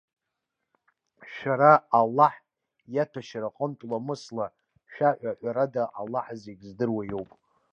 Шәара Аллаҳ иаҭәашьара аҟынтә ламысла шәаҳәа, ҳәарада Аллаҳ зегьы здыруа иоуп.